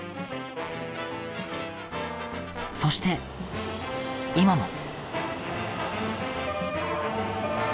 そして今も。